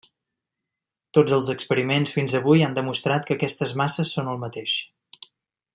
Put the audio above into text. Tots els experiments fins avui han demostrat que aquestes masses són el mateix.